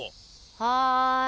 はい。